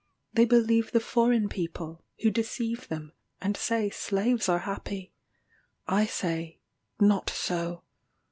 They believe the foreign people, who deceive them, and say slaves are happy. I say, Not so.